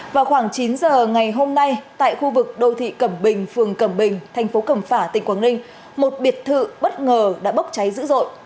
vào khoảng chín giờ ngày hôm nay tại khu vực đô thị cẩm bình phường cẩm bình thành phố cẩm phả tỉnh quảng ninh một biệt thự bất ngờ đã bốc cháy dữ dội